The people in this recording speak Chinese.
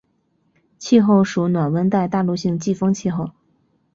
气候属暖温带大陆性季风气候。